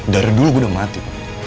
dari dulu gue udah mati